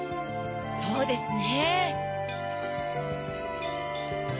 そうですね。